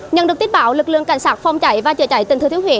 nhận được tin báo lực lượng cảnh sát phòng cháy và trựa cháy tỉnh thừa thiên huế